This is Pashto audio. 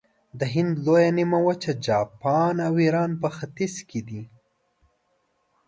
د هند لویه نیمه وچه، جاپان او ایران په ختیځ کې دي.